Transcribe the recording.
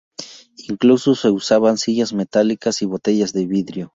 Incluso se usaban sillas metálicas y botellas de vidrio.